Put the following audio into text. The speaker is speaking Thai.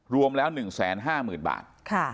รวมแล้ว๑๕๐๐๐บาท